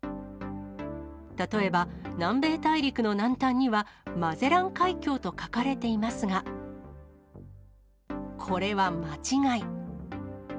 例えば、南米大陸の南端にはマゼラン海峡と書かれていますが、これは間違い。